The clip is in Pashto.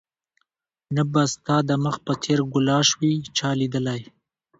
نه به ستا د مخ په څېر ګلش وي چا ليدلى